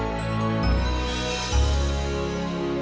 inilah hamba mu ya allah